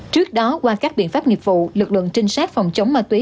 trước đó qua các biện pháp nghiệp vụ lực lượng trinh sát phòng chống ma túy